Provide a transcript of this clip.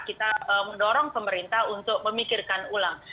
kita mendorong pemerintah untuk memikirkan ulang